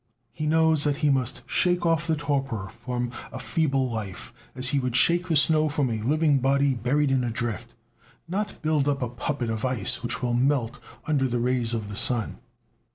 He knows that he must shake off the torpor from a feeble life as he would shake the snow from a living body buried in a drift, not build up a puppet of ice which will melt under the rays of the sun.